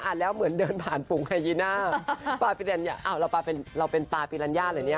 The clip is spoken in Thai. อ่านแล้วเหมือนเดินผ่านฝุงไฮยีน่าปราฟิรัญญาอ้าวเราเป็นปราฟิรัญญาเหรอเนี่ย